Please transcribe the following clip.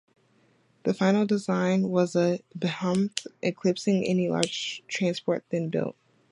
The final design chosen was a behemoth, eclipsing any large transport then built.